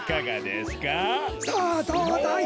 さあどうだい？